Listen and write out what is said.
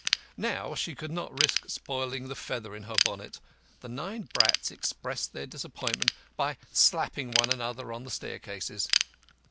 Now she could not risk spoiling the feather in her bonnet. The nine brats expressed their disappointment by slapping one another on the staircases.